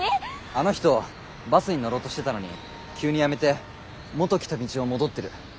あの人バスに乗ろうとしてたのに急にやめて元来た道を戻ってる。